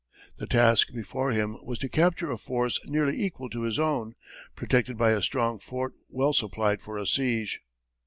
The task before him was to capture a force nearly equal to his own, protected by a strong fort well supplied for a siege.